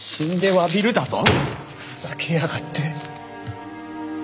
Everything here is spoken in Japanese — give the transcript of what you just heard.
ふざけやがって！